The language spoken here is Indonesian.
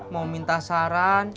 mau minta saran